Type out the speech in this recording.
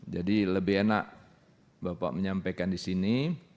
jadi lebih enak bapak menyampaikan di sini